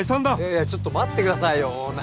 いやいやちょっと待ってくださいよ